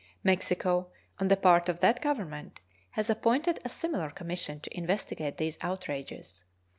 Mexico, on the part of that Government, has appointed a similar commission to investigate these outrages.